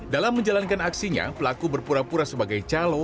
dalam menjalankan aksinya pelaku berpura pura sebagai calo